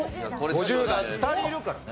５０代２人いるからね。